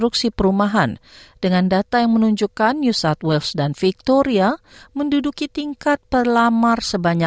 kekuatan di kawasan kawasan kapital kita sangat besar